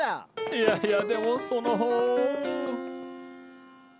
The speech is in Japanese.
いやいやでもその。